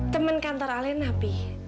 temen kantor alena pi